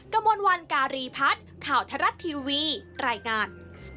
กระมวลวันการีพัฒน์ข่าวไทยรัฐทีวีรายงาน